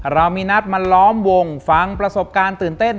เรามีนัดมาล้อมวงฟังประสบการณ์ตื่นเต้น